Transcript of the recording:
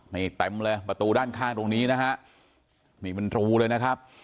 นี่เต็มเลยประตูด้านข้างตรงนี้นะฮะนี่เป็นรูเลยนะครับ